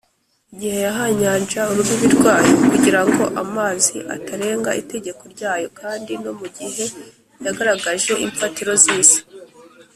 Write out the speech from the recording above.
igihe yahaye inyanja urubibi rwayo, kugira ngo amazi atarenga itegeko ryayo, kandi no mu gihe yagaragaje imfatiro z’isi